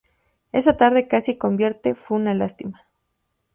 Esa tarde casi convierte: "Fue una lástima.